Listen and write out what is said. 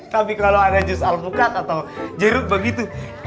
tapi kalau ada jus alpukat atau jeruk begitu